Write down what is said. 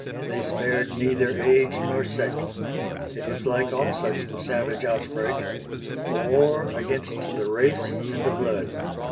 They spared neither age nor sex. It was like all such savage outbreaks, a war against the race and the blood.